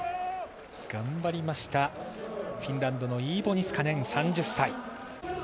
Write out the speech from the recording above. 頑張りましたフィンランドのイーボ・ニスカネン、３０歳。